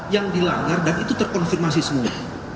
yang dilanggar dan itu terkonfirmasi semua